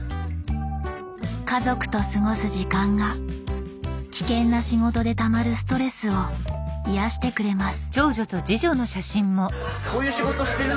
家族と過ごす時間が危険な仕事でたまるストレスを癒やしてくれます。